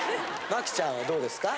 茉希ちゃんはどうですか？